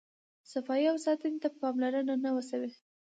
صفایي او ساتنې ته پاملرنه نه وه شوې.